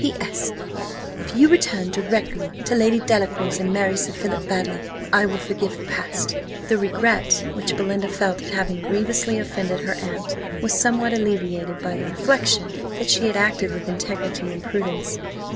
"P. S. If you return directly to Lady Delacour's, and marry Sir Philip Baddely, I will forgive the past." The regret which Belinda felt at having grievously offended her aunt was somewhat alleviated by the reflection that she had acted with integrity and prudence.